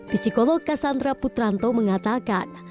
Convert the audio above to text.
fisikolog kassandra putranto mengatakan